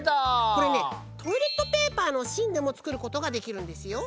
これねトイレットペーパーのしんでもつくることができるんですよ。